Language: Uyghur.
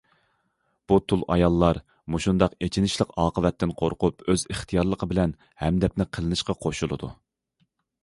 بۇ تۇل ئاياللار مۇشۇنداق ئېچىنىشلىق ئاقىۋەتتىن قورقۇپ ئۆز ئىختىيارلىقى بىلەن ھەمدەپنە قىلىنىشقا قوشۇلىدۇ.